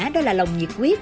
đó là lòng nhiệt quyết